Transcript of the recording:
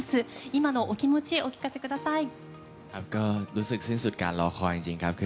今のお気持ちお聞かせください。